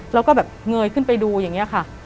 เราก็เงยขึ้นไปดูอย่างนี้ค่ะ